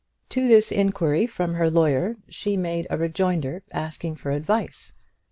To this inquiry from her lawyer she made a rejoinder asking for advice.